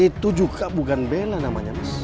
itu juga bukan bela namanya mas